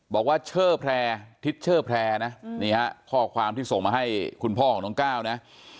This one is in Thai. บอกว่าเชอร์แพร่ทิศเชอร์แพร่นะนี่ฮะข้อความที่ส่งมาให้คุณพ่อของน้องก้าวนะ